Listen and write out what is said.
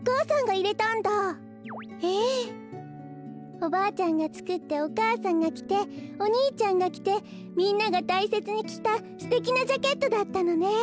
おばあちゃんがつくってお母さんがきてお兄ちゃんがきてみんながたいせつにきたすてきなジャケットだったのね。